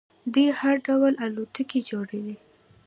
دوی هر ډول الوتکې جوړوي.